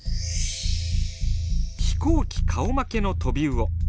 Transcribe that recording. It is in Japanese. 飛行機顔負けのトビウオ。